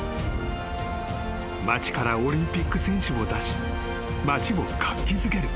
［町からオリンピック選手を出し町を活気づける］